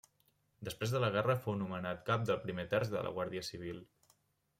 Després de la guerra fou nomenat cap del primer terç de la guàrdia civil.